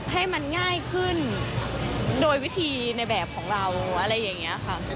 ให้มันง่ายขึ้นโดยวิธีในแบบของเราอะไรอย่างนี้ค่ะ